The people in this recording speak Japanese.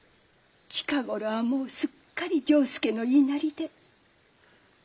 近頃はもうすっかり丈助の言いなりで。